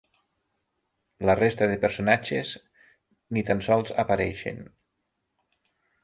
La resta de personatges ni tan sols apareixen.